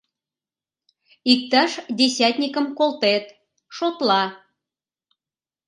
— Иктаж десятникым колтет, шотла.